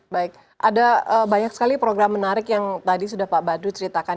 baik ada banyak sekali program menarik yang tadi sudah pak badut ceritakan